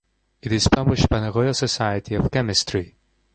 It is published by the Royal Society of Chemistry.